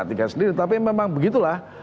sendiri tapi memang begitulah